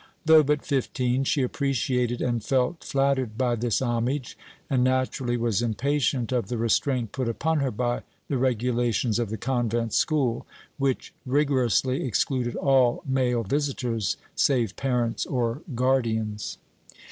Though but fifteen, she appreciated and felt flattered by this homage, and naturally was impatient of the restraint put upon her by the regulations of the convent school, which rigorously excluded all male visitors save parents or guardians.